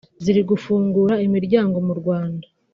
ziri gufungura imiryango mu Rwanda